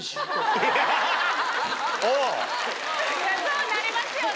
そうなりますよね。